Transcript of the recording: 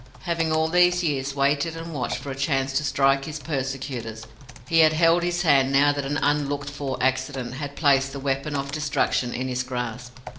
Having all these years waited and watched for a chance to strike his persecutors, he had held his hand now that an unlooked for accident had placed the weapon of destruction in his grasp.